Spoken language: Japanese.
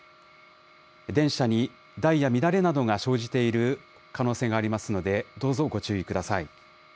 電車にダイヤ乱れなどが生じている可能性がありますので、どうぞご注意ください。